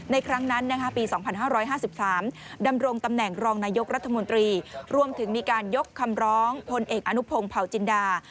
ครั้งนั้นปี๒๕๕๓ดำรงตำแหน่งรองนายกรัฐมนตรีรวมถึงมีการยกคำร้องพลเอกอนุพงศ์เผาจินดา